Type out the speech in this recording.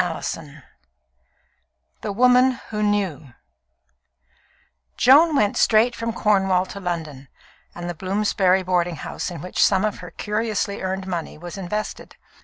CHAPTER VII The Woman Who Knew Joan went straight from Cornwall to London and the Bloomsbury boarding house in which some of her curiously earned money was invested.